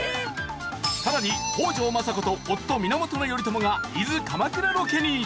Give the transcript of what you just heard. さらに北条政子と夫源頼朝が伊豆鎌倉ロケに。